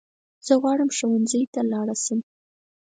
زه غواړم ښوونځی ته لاړ شم